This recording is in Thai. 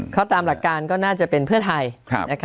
เขาตามหลักการก็น่าจะเป็นเพื่อไทย